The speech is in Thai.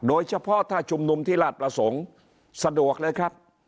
โดยเฉพาะถ้าชุมนุมที่ราชประสงค์สะดวกเลยครับ